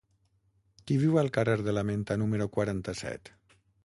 Qui viu al carrer de la Menta número quaranta-set?